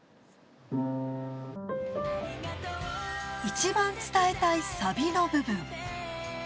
一番伝えたいサビの部分。